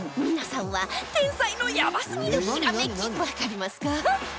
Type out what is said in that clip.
皆さんは天才のやばすぎるひらめきわかりますか？